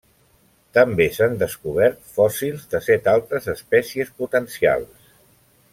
També s'han descobert fòssils de set altres espècies potencials.